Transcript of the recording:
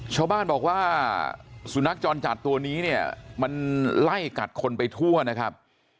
ชาวบ้านบอกว่าสุนัขจรจัดตัวนี้เนี่ยมันไล่กัดคนไปทั่วนะครับ